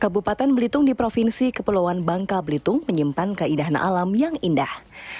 kabupaten belitung di provinsi kepulauan bangka belitung menyimpan keindahan alam yang indah